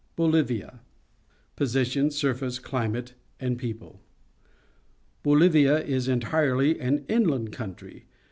BOLIVIA Position, Surface, Climate, and People. — Bolii'ia is entirety an inland country.